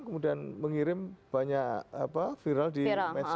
kemudian mengirim banyak apa viral di media